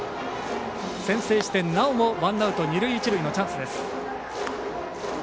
先制してなおもワンアウト二塁一塁のチャンス。